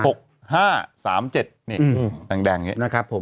หกห้าสามเจ็ดอืมแดงแดงอย่างเงี้ยนะครับผม